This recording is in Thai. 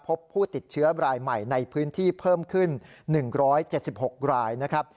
พบผู้ติดเชื้อรายใหม่ในพื้นที่เพิ่มขึ้น๑๗๖รายนะครับ